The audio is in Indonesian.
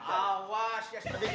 awas ya seperti ini